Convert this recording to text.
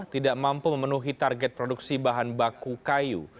tidak mampu memenuhi target produksi bahan baku kayu